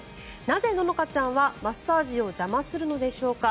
なぜ野々花ちゃんはマッサージを邪魔するのでしょうか。